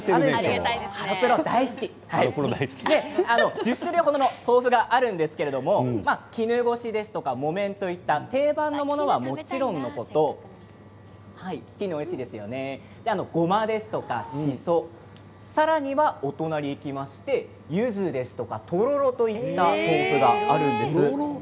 １０種類程の豆腐があるんですけど絹ごしですとかも綿といった定番のものはもちろんですけどごまですとか、しそさらには、お隣ゆずですとかとろろといった豆腐があります。